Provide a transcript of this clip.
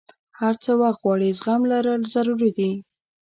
هر څه وخت غواړي، زغم لرل ضروري دي.